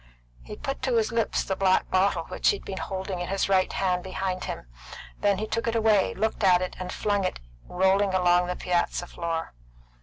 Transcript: He put to his lips the black bottle which he had been holding in his right hand behind him; then he took it away, looked at it, and flung it rolling along the piazza floor.